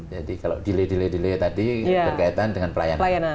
jadi kalau delay delay delay tadi berkaitan dengan pelayanan